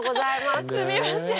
すみません。